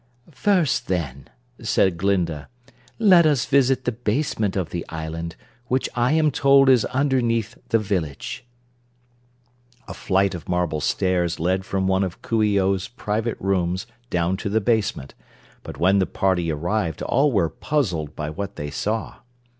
"First, then," said Glinda, "let us visit the basement of the island, which I am told is underneath the village." A flight of marble stairs led from one of Coo ee oh's private rooms down to the basement, but when the party arrived all were puzzled by what they saw.